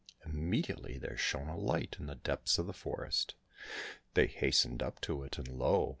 " Immediately there shone a light in the depths of the forest. They hastened up to it, and lo